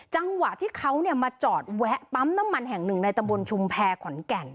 จังหวะที่เขามาจอดแวะปั๊มน้ำมันแห่งหนึ่งในตำบลชุมแพรขอนแก่น